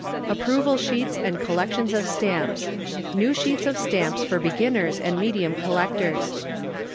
Approval Sheets and Collections of Stamps. NEW SHEETS OF STAMPS FOR BEGINNERS AND MEDIUM COLLECTORS.